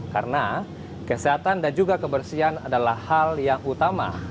karena kesehatan dan juga kebersihan adalah hal yang utama